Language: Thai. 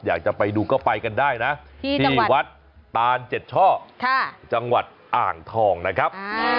อยากจะไปดูก็ไปกันได้นะที่วัดตานเจ็ดช่อจังหวัดอ่างทองนะครับ